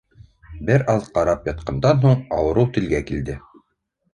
Бер аҙ ҡарап ятҡандан һуң, ауырыу телгә килде: